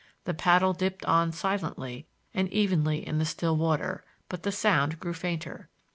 The paddle dipped on silently and evenly in the still water, but the sound grew fainter.